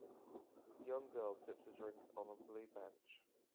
Young girl sips a drink on a blue bench.